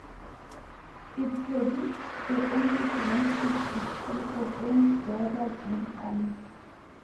It produced the only Grand Prix victory for French driver Jean Alesi.